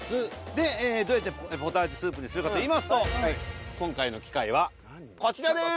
でどうやってポタージュスープにするかといいますと今回の機械はこちらです！